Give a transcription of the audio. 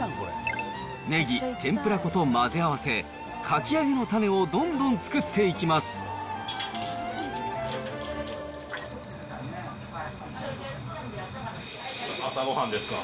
ネギ、天ぷら粉と混ぜ合わせ、かき揚げのタネをどんどん作ってい朝ごはんですか？